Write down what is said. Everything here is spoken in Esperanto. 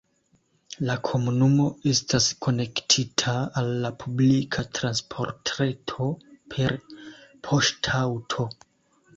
La komunumo estas konektita al la publika transportreto per poŝtaŭto.